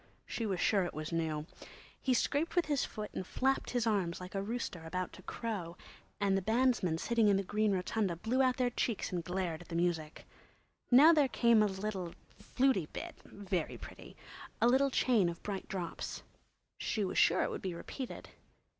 She was sure it was new. He scraped with his foot and flapped his arms like a rooster about to crow, and the bandsmen sitting in the green rotunda blew out their cheeks and glared at the music. Now there came a little "flutey" bit—very pretty!—a little chain of bright drops. She was sure it would be repeated.